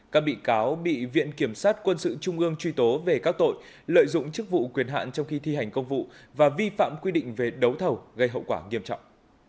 các bị cáo bị viện kiểm sát quân sự trung ương truy tố về các tội lợi dụng chức vụ quyền hạn trong khi thi hành công vụ và vi phạm quy định về đấu thầu gây hậu quả nghiêm trọng